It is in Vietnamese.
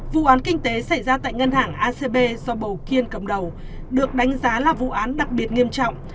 vụ án kinh tế xảy ra tại ngân hàng acb do bầu kiên cầm đầu được đánh giá là vụ án đặc biệt nghiêm trọng